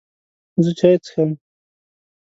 زه چای څښم.